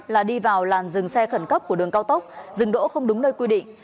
là đi vào làn dừng xe khẩn cấp của đường cao tốc dừng đỗ không đúng nơi quy định